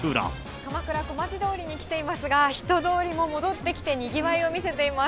鎌倉・小町通りに来ていますが、人通りも戻ってきて、にぎわいを見せています。